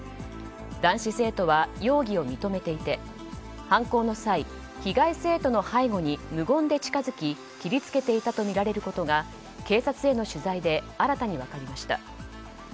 男子生徒は容疑を認めていて犯行の際、被害生徒の背後に無言で近づき切り付けていたとみられることが警察への取材で新たに分かりました。